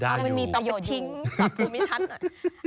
ต้องไปทิ้งปรับภูมิทัศน์หน่อย